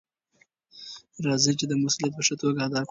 راځئ چې دا مسؤلیت په ښه توګه ادا کړو.